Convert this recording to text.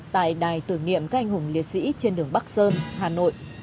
tại đài tưởng niệm các anh hùng liệt sĩ trên đường bắc sơn hà nội